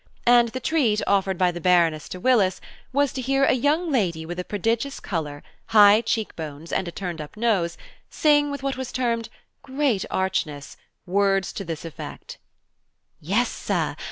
And the treat offered by the Baroness to Willis was to hear a young lady with a prodigious colour, high cheek bones, and a turned up nose, sing with what was termed "great archness," words to this effect: "Yes, Sir!